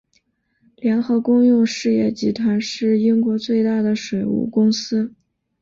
联合公用事业集团是英国最大的水务公司。